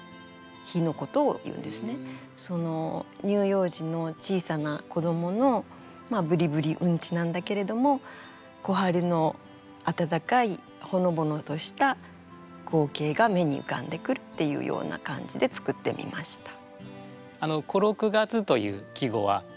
その乳幼児の小さな子どもの「ブリブリうんち」なんだけれども小春のあたたかいほのぼのとした光景が目にうかんでくるっていうような感じで作ってみました。